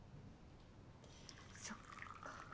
そっか。